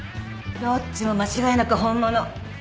どっちも間違いなく本物。